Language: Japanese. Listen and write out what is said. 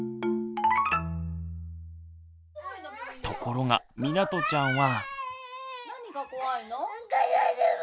ところがみなとちゃんは。